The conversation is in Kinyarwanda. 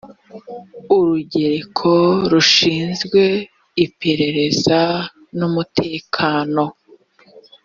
urugereko rushinzwe iperereza n umutekano